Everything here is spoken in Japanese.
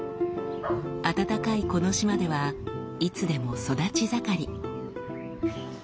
暖かいこの島ではいつでも育ち盛り。